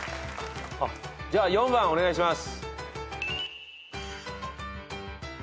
じゃあ４番お願いします。